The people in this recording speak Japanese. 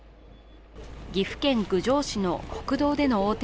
岐阜県郡上市の国道での横転